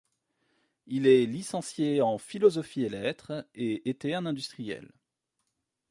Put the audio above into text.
Il est licencié en philosophie et lettres et était un industriel.